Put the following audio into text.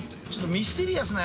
ミステリアスな。